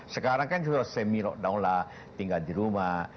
sekarang kan sudah semi lockdown lah tinggal di rumah